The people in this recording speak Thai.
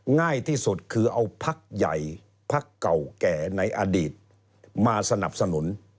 ง่ายที่สุดคือเอาพักใหญ่พักเก่าแก่ในอดีตมาสนับสนุน